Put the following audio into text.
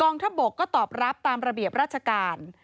ทบกก็ตอบรับตามระเบียบราชการ